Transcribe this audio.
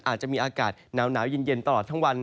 อาจจะมีอากาศหนาวเย็นตลอดทั้งวัน